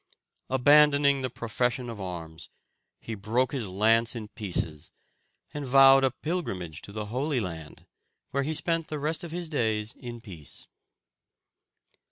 Abandoning the profession of arms, he broke his lance in pieces, and vowed a pilgrimage to the Holy Land, where he spent the rest of his days in peace."